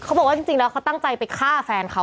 เขาบอกว่าจริงแล้วเขาตั้งใจไปฆ่าแฟนเขา